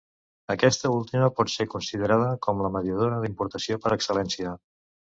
Aquesta última pot ser considerada com la mediadora d'importació per excel·lència.